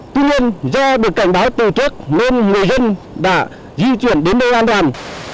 tuy nhiên do được cảnh báo từ trước nguyên người dân đã di chuyển đến đây an toàn